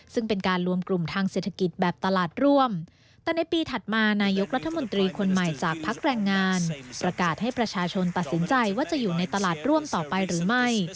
ซึ่งเป็นการรวมกลุ่มทางเศรษฐกิจแบบตลาดร่วมแต่ในปีถัดมานายกรัฐมนตรีคนใหม่จากพักแรงงานประกาศให้ประชาชนตัดสินใจว่าจะอยู่ในตลาดร่วมต่อไปหรือไม่